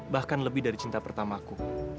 bahkan lebih dari cinta pertama aku